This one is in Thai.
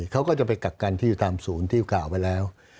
เขาก็จะไปกักกันที่ตามศูนย์ที่กล่าวไว้แล้ว